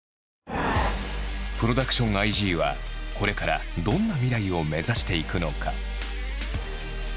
ＰｒｏｄｕｃｔｉｏｎＩ．Ｇはこれからどんな未来を目指していくのか？